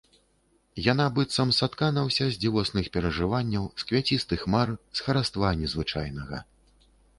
Яна быццам саткана ўся з дзівосных перажыванняў, з квяцістых мар, з хараства незвычайнага.